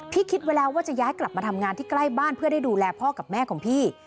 คิดไว้แล้วว่าจะย้ายกลับมาทำงานที่ใกล้บ้านเพื่อได้ดูแลพ่อกับแม่ของพี่